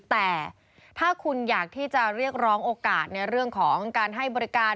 แต่ถ้าคุณอยากที่จะเรียกร้องโอกาสในเรื่องของการให้บริการ